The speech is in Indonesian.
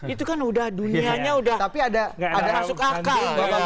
itu kan udah dunianya udah masuk akal